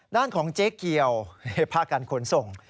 ด้านของเจ๊เกียวพระครรภ์ขนสม